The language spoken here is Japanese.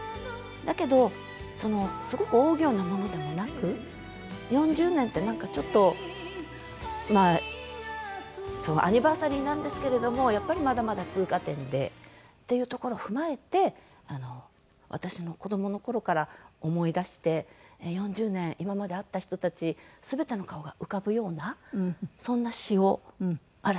だけどそのすごく大仰なものでもなく４０年ってなんかちょっとまあアニバーサリーなんですけれどもやっぱりまだまだ通過点でっていうところを踏まえて私の子どもの頃から思い出して４０年今まで会った人たち全ての顔が浮かぶようなそんな詞を荒木とよひさ先生が書いてくださいました。